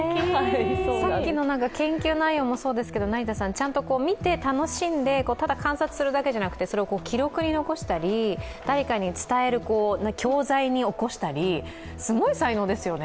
さっきの研究内容もそうですけどちゃんと見て楽しんで、ただ観察するだけじゃなくてそれを記録に残したり、誰かに伝える教材に起こしたり、すごい才能ですよね。